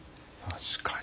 確かに。